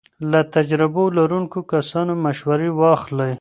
له تجربو لرونکو کسانو مشورې واخلئ.